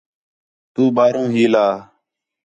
تُو ٻاہروں ہیلا